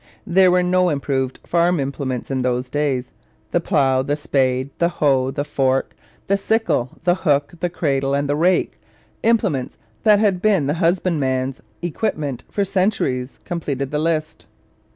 There were no improved farm implements in those days: the plough, the spade, the hoe, the fork, the sickle, the hook, the cradle, and the rake implements that had been the husbandman's equipment for centuries completed the list.